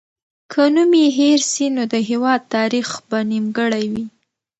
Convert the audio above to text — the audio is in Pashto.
که نوم یې هېر سي، نو د هېواد تاریخ به نیمګړی وي.